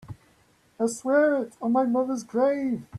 I swear it on my mother's grave.